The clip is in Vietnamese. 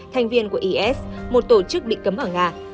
thành viên của is một tổ chức bị cấm ở nga